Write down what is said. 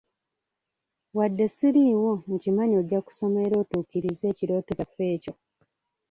Wadde ssiriiwo nkimanyi ojja kusoma era otuukirize ekirooto kyaffe ekyo.